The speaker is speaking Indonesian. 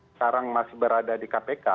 sekarang masih berada di kpk